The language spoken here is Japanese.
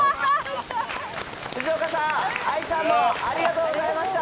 藤岡さん、愛さんもありがとうございました。